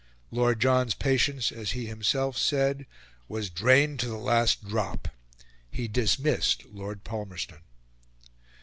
Lord John's patience, as he himself said, "was drained to the last drop." He dismissed Lord Palmerston.